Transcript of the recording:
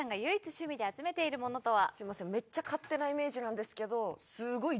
杉谷さんが唯一趣味で集めているものとは？